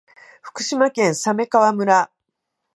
福島県鮫川村